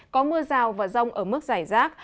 có mưa rào và rông ở mức dài rác